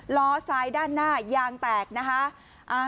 ล้อซ้ายด้านหน้ายางแตกนะคะ